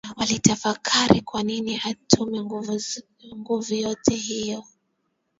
Walitafakari kwanini atumie nguvu yote hiyo